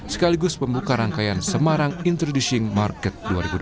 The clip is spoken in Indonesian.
sekaligus pembuka rangkaian semarang introducing market dua ribu dua puluh empat